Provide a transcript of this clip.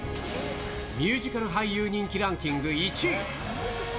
ミュージカル俳優人気ランキング１位。